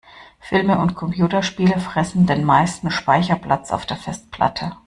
Filme und Computerspiele fressen den meisten Speicherplatz auf der Festplatte.